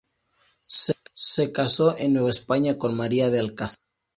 Se casó en Nueva España con María de Alcázar.